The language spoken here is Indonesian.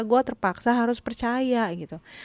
gue terpaksa harus percaya gitu